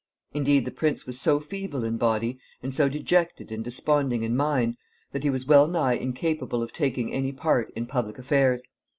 Indeed, the prince was so feeble in body, and so dejected and desponding in mind, that he was well nigh incapable of taking any part in public affairs.